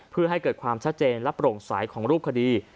เพื่อให้เกิดความชัดเจนและโปร่งใสของรูปคดี